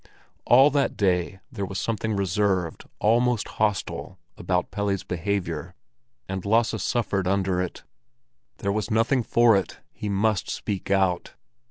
All that day there was something reserved, almost hostile, about Pelle's behavior, and Lasse suffered under it. There was nothing for it; he must speak out.